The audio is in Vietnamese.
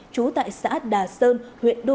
trú tại xã đà sơn huyện đô